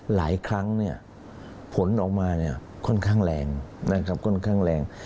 หลายครั้งผลออกมาค่อนข้างแรง